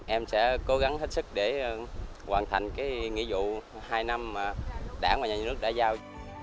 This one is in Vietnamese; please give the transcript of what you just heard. em sẽ cố gắng hết sức để hoàn thành nghị vụ hai năm đảng và nhà nước đã giao